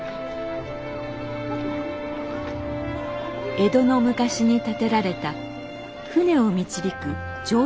江戸の昔に建てられた船を導く常夜燈。